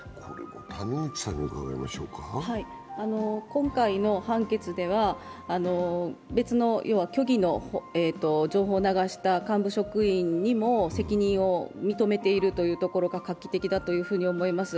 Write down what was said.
今回の判決では、別の虚偽の情報を流した幹部職員にも責任を認めているというところが画期的だというふうに思います。